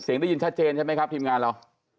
ได้ยินชัดเจนใช่ไหมครับทีมงานเรา